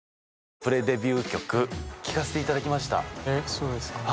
そうですか。